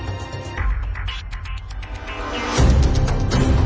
ก็ให้พ่อกัน